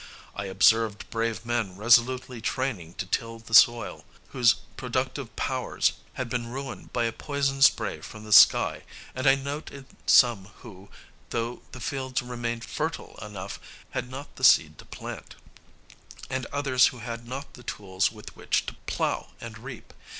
I observed brave men resolutely trying to till the soil, whose productive powers had been ruined by a poison spray from the sky; and I noted some who, though the fields remained fertile enough, had not the seed to plant; and others who had not the tools with which to plow and reap.